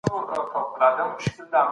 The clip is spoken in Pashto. زه درسونه هره ورځ تکراروم.